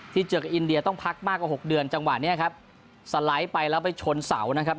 เจอกับอินเดียต้องพักมากกว่าหกเดือนจังหวะนี้ครับสไลด์ไปแล้วไปชนเสานะครับ